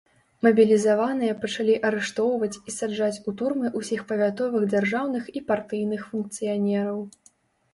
Мабілізаваныя пачалі арыштоўваць і саджаць у турмы усіх павятовых дзяржаўных і партыйных функцыянераў.